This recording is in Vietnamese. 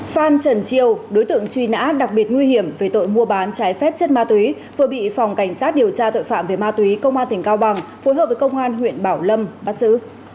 phan trần triều đối tượng truy nã đặc biệt nguy hiểm về tội mua bán trái phép chất ma túy vừa bị phòng cảnh sát điều tra tội phạm về ma túy công an tỉnh cao bằng phối hợp với công an huyện bảo lâm bắt xử